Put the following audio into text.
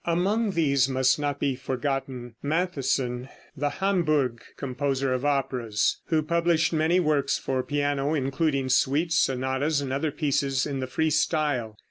Among these must not be forgotten Mattheson, the Hamburgh composer of operas (p. 242), who published many works for piano, including suites, sonatas and other pieces in the free style.